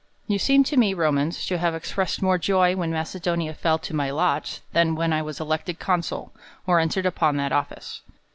YOU seem to me, Romans, to have expressed more joy when Macedonia fell to my lot, than when I was elected consul, or entered upon that office.